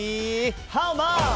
ハウマッチ。